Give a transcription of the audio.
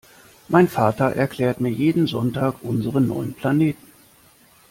Mein Vater erklärt mir jeden Sonntag unsere neun Planeten.